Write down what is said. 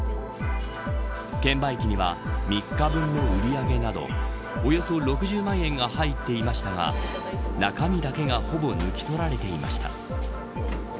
券売機には３日分の売り上げなどおよそ６０万円が入っていましたが中身だけがほぼ抜き取られていました。